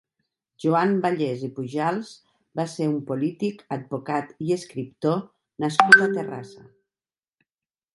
Joan Vallès i Pujals va ser un polític, advocat i escriptor nascut a Terrassa.